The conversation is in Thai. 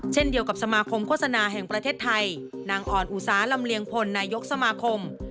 เช่นเดียวกับสมาคมโฆษณาแห่งประเทศไทยนางอ่อนอุตสาลำเลียงพลนายกสมาคม